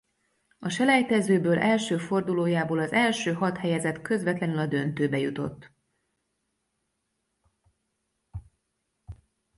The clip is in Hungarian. A selejtezőből első fordulójából az első hat helyezett közvetlenül a döntőbe jutott.